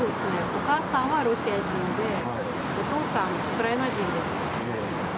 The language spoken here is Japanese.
お母さんはロシア人で、お父さん、ウクライナ人です。